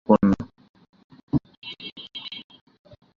তিনি সম্রাট আওরঙ্গজেব ও তার স্ত্রী আওরঙ্গবাদী মহলের কন্যা।